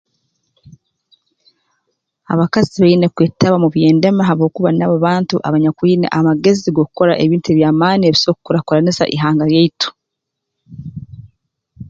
Abakazi tibaine kwetaba mu by'endema habwokuba nabo bantu abanyakwine amagezi g'okukora ebintu eby'amaani ebiso kukurakuranisa ihanga lyaitu